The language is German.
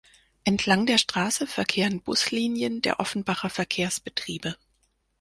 Entlang der Straße verkehren Buslinien der Offenbacher Verkehrsbetriebe.